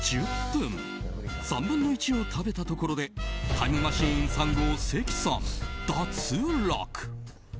３分の１を食べたところでタイムマシーン３号・関さん脱落！